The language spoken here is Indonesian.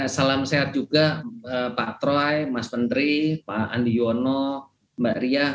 salam sehat juga pak troy mas menteri pak andi yono mbak ria